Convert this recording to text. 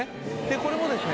これもですね